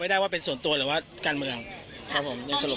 ได้ว่าเป็นส่วนตัวหรือว่าการเมืองครับผมยังสรุป